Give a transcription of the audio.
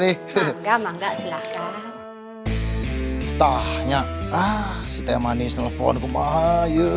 silahkan tahnya ah si temanis telepon kemah yuk